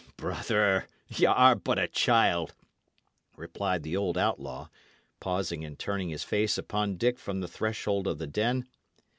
"Brother, y' are but a child," replied the old outlaw, pausing and turning his face upon Dick from the threshold of the den.